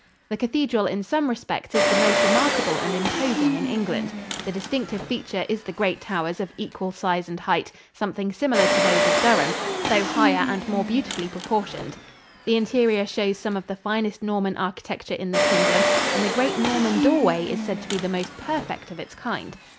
The cathedral in some respects is the most remarkable and imposing in England. The distinctive feature is the great towers of equal size and height, something similar to those of Durham, though higher and more beautifully proportioned. The interior shows some of the finest Norman architecture in the Kingdom and the great Norman doorway is said to be the most perfect of its kind.